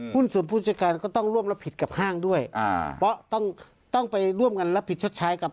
ศูนย์ผู้จัดการก็ต้องร่วมรับผิดกับห้างด้วยอ่าเพราะต้องต้องไปร่วมกันรับผิดชดใช้กับ